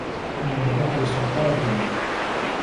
المدرّس قادم.